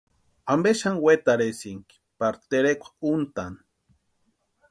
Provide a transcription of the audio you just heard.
¿Ampe xani wetarhisïnki pari terekwa úntani?